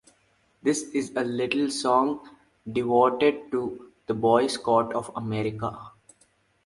This is a little song devoted to the Boy Scouts of America.